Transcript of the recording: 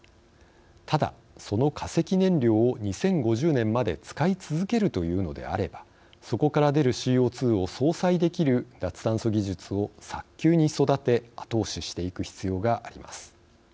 ただ、その化石燃料を２０５０年まで使い続けるというのであればそこから出るＣＯ２を相殺できる脱炭素技術を早急に育て後押ししていく必要があります。